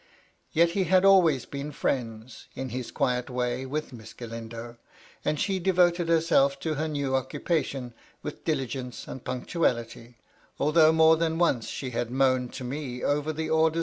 Yet he had always been friends, in his quiet way, with Miss Galindo, and she devoted herself to her new occupation with diligence and punctuality, although more than once she had moaned to me over the orders VOL.